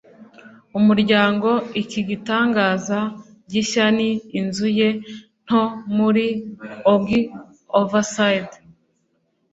umuryango. iki gitangaza gishya ni inzu ye nto muri ogui overside